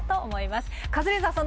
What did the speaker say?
カズレーザーさん